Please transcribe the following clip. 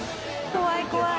怖い怖い。